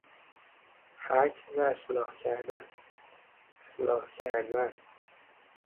حک و اصلاح کردن، اصلاح کردن